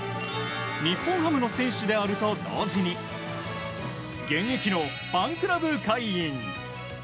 日本ハムの選手であると同時に現役のファンクラブ会員。